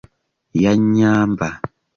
Yannyamba.